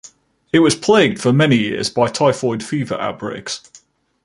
It was plagued, for many years, by typhoid fever outbreaks.